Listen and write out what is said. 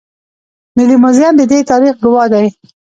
ملي موزیم د دې تاریخ ګواه دی